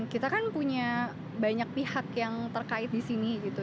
kita kan punya banyak pihak yang terkait di sini gitu